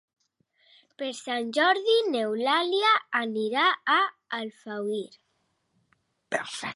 Per Sant Jordi n'Eulàlia anirà a Alfauir.